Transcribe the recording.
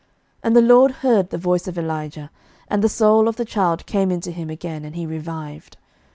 11:017:022 And the LORD heard the voice of Elijah; and the soul of the child came into him again, and he revived.